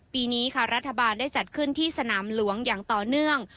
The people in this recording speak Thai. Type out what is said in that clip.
ปีนี้ค่ะรัฐบาลได้จัดขึ้นที่สนามหลวงอย่างต่อเนื่อง